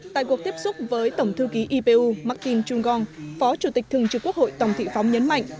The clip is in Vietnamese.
tại cuộc tiếp xúc với tổng thư ký ipu martin chung gong phó chủ tịch thường trực quốc hội tổng thị phóng nhấn mạnh